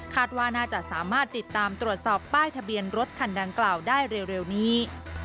ว่าน่าจะสามารถติดตามตรวจสอบป้ายทะเบียนรถคันดังกล่าวได้เร็วนี้